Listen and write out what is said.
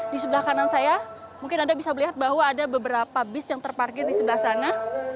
di sebelah kanan saya mungkin anda bisa melihat bahwa ada beberapa bis yang terparkir di sebelah sana